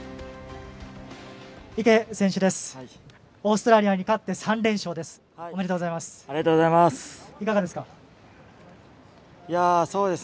池選手です。